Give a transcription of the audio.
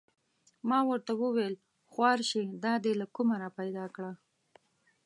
ما ورته و ویل: خوار نه شې دا دې له کومه را پیدا کړه؟